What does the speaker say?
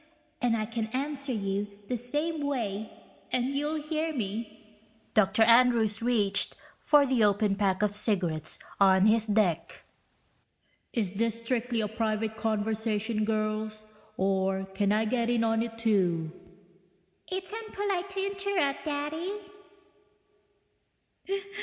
And I can answer you the same way, and you'll hear me.) Dr. Andrews reached for the open pack of cigarettes on his deck. (Is this strictly a private conversation, girls, or can I get in on it, too?) (It's unpolite to interrupt, Daddy.)